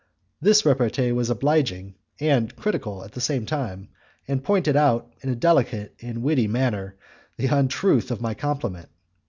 This repartee was obliging and critical at the same time, and pointed out in a delicate and witty manner the untruth of my compliment.